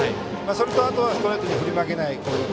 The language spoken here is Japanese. それと、あとはストレートに振り負けない攻撃。